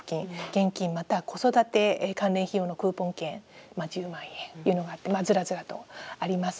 現金または子育て関連費用のクーポン券１０万円というのがあってずらずらとあります。